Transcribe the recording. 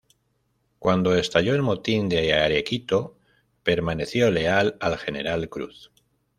Cuando estalló el motín de Arequito, permaneció leal al general Cruz.